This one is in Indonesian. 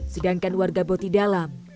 sedangkan warga boti dalam